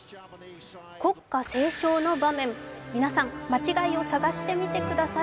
国歌斉唱の場面、皆さん、間違いを探してみてください。